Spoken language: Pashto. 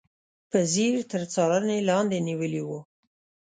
په ځیر تر څارنې لاندې نیولي و.